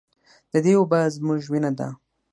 د دې اوبه زموږ وینه ده